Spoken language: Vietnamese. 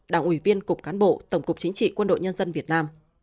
đảng ủy viên cục cán bộ tổng cục chính trị quân đội nhân dân việt nam